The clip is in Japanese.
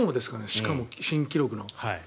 しかも新記録の。